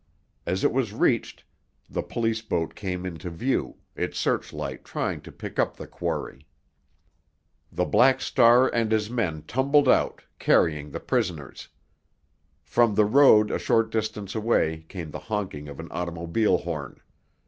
As it was reached, the police boat came into view, its searchlight trying to pick up the quarry. The Black Star and his men tumbled out, carrying the prisoners. From the road a short distance away came the honking of an automobile horn.